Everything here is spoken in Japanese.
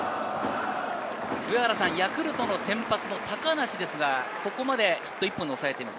ヤクルトの先発の高梨ですが、ここまでヒット１本に抑えています。